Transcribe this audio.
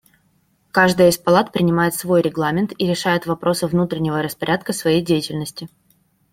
Каждая из палат принимает свой регламент и решает вопросы внутреннего распорядка своей деятельности.